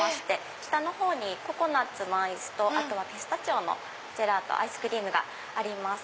下のほうにココナツのアイスとピスタチオのアイスクリームがあります。